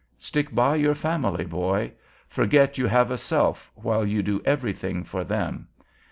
Stick by your family, boy; forget you have a self, while you do everything for them.